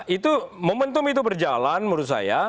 itu momentum itu berjalan menurut saya